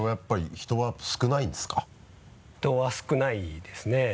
人は少ないですね。